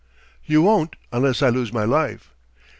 "You won't unless I lose my life."